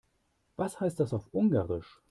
Was heißt das auf Ungarisch?